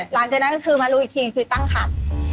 หลังจากนั้นก็คือมารู้อีกทีคือตั้งคัน